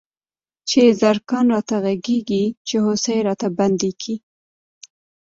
چی زرکان راته غږيږی، چی هوسۍ راته پنډيږی